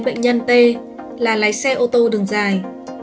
bệnh nhân t là lái xe ô tô đường dài